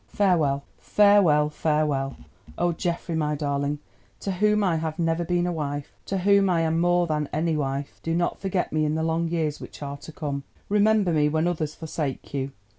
"Farewell, farewell, farewell! Oh, Geoffrey, my darling, to whom I have never been a wife, to whom I am more than any wife—do not forget me in the long years which are to come. Remember me when others forsake you.